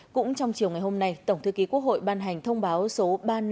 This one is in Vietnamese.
cũng trong chiều ngày hôm nay tổng thư ký quốc hội ban hành thông báo số ba nghìn năm trăm sáu mươi tám